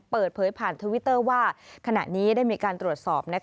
เปิดเผยผ่านทวิตเตอร์ว่าขณะนี้ได้มีการตรวจสอบ